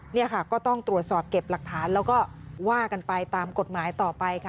นี่ค่ะก็ต้องตรวจสอบเก็บหลักฐานแล้วก็ว่ากันไปตามกฎหมายต่อไปค่ะ